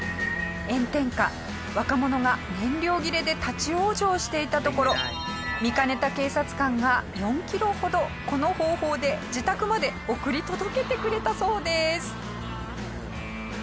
炎天下若者が燃料切れで立ち往生していたところ見かねた警察官が４キロほどこの方法で自宅まで送り届けてくれたそうです。